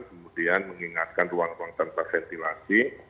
kemudian mengingatkan ruang ruang tanpa ventilasi